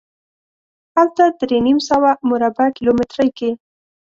هلته درې نیم سوه مربع کیلومترۍ کې.